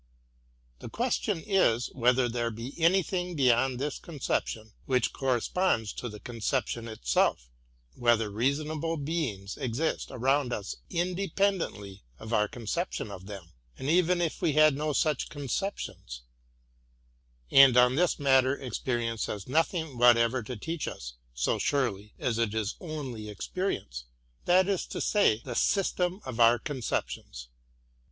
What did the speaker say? The question is, whether there be anything beyond this conception which corresponds to the conception itself; whether reasonable beings exist around us independently of our conceptions of them, and even if we had no such conceptions; — and on 20 LEOIUBfl CI, this matter experience has nothing whatever to beach us so Burelj aa it is only experience; that is to say, — the system of our conceptions.